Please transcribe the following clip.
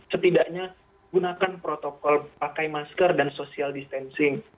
setidaknya gunakan protokol pakai masker dan social distancing